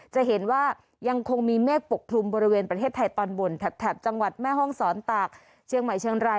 จะเห็นว่ายังคงมีเมฆปกคลุมบริเวณประเทศไทยตอนบนแถบจังหวัดแม่ห้องศรตากเชียงใหม่เชียงราย